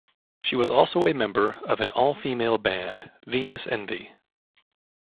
She was also a member of an all-female band, Venus Envy.